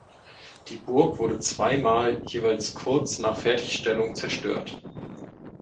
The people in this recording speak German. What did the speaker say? Die Burg wurde zweimal jeweils kurz nach Fertigstellung zerstört.